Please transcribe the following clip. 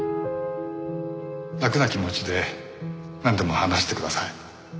楽な気持ちでなんでも話してください。